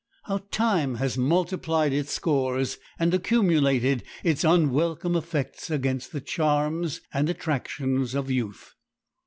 How time has multiplied its scores, and accumulated its unwelcome effects against the charms and attractions of youth!